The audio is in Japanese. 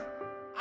「あ！」